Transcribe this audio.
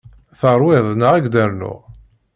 Teṛwiḍ neɣ ad k-d-rnuɣ?